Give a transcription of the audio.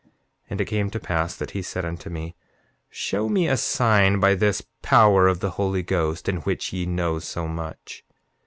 7:13 And it came to pass that he said unto me: Show me a sign by this power of the Holy Ghost, in the which ye know so much.